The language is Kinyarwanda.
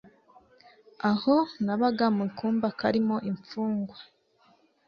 aho nabaga mu kumba karimo imfungwa